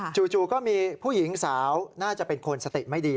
จู่ก็มีผู้หญิงสาวน่าจะเป็นคนสติไม่ดี